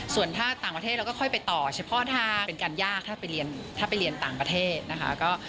ส่วนถ้าต่างประเทศเราก็ค่อยไปต่อเฉพาะถ้าเป็นการยากถ้าไปเรียนถ้าไปเรียนต่างประเทศนะคะ